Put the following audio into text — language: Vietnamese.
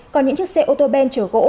còn những chiếc xe ô tô bên chở gỗ